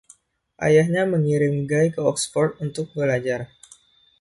Ayahnya mengirim Ghai ke Oxford untuk belajar.